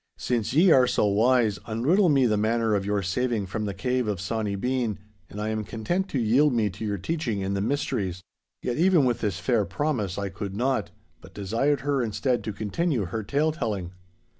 'Since ye are so wise, unriddle me the manner of your saving from the cave of Sawny Bean, and I am content to yield me to your teaching in the mysteries.' Yet even with this fair promise I could not, but desired her instead to continue her tale telling.